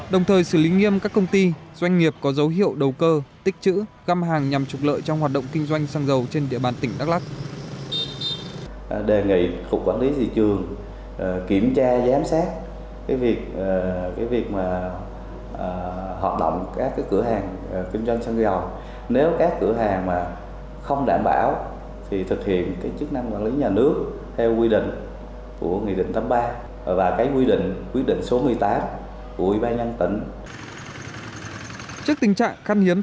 đồng thời xử lý nghiêm các công ty doanh nghiệp có dấu hiệu đầu cơ tích chữ găm hàng nhằm trục lợi trong hoạt động kinh doanh xăng dầu trên địa bàn tỉnh đắk lắk